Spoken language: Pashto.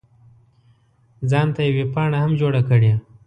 ځان ته یې ویبپاڼه هم جوړه کړې.